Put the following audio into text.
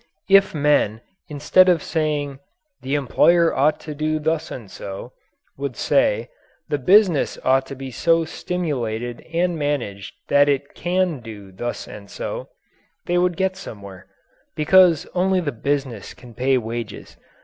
If men, instead of saying "the employer ought to do thus and so," would say, "the business ought to be so stimulated and managed that it can do thus and so," they would get somewhere. Because only the business can pay wages.